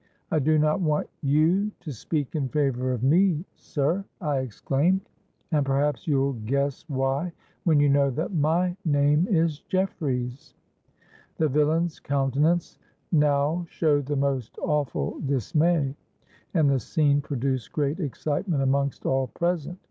'—'I do not want you to speak in favour of me, sir,' I exclaimed; 'and perhaps you'll guess why, when you know that my name is Jeffreys.'—The villain's countenance now showed the most awful dismay; and the scene produced great excitement amongst all present.